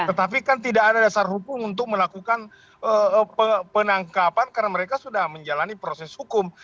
tetapi kan tidak ada dasar hukum untuk melakukan penangkapan karena mereka sudah menjalani proses hukum